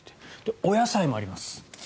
お野菜もあります。